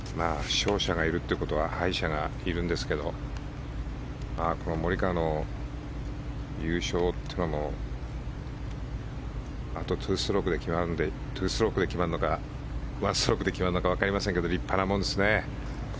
勝者がいるということは敗者がいるんですけどこのモリカワの優勝というのはあと２ストロークで決まるので２ストロークで決まるのか１ストロークで決まるのかわかりませんけど立派なもんですね。